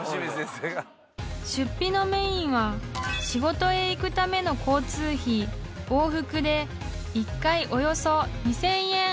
［出費のメインは仕事へ行くための交通費往復で１回およそ２，０００円］